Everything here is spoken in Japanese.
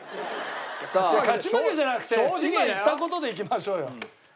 勝ち負けじゃなくて今言った事でいきましょうよ。